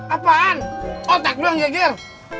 apaan otak lo yang geger